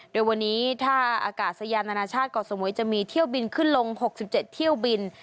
โดยวันนี้ท่าอากาศยานานาชาติเกาะสมุยจะมีเที่ยวบินขึ้นลง๖๗เที่ยวบิน